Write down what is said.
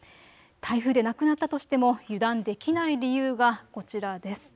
台風でなくなったとしても油断できない理由がこちらです。